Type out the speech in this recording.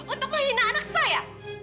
untuk menghina anak saya